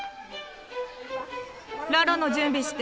ラロの準備して。